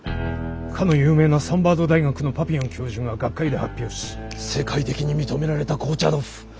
かの有名なサンバード大学のパピヨン教授が学会で発表し世界的に認められた紅茶豆腐